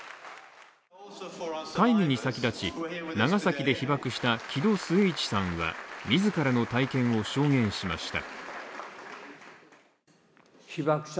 会議に先立ち、長崎で被爆した木戸季市さんが自らの体験を証言しました。